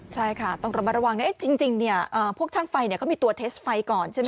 ใช่ค่ะต้องระมัดระวังจริงพวกช่างไฟเขามีตัวเทสไฟก่อนใช่ไหม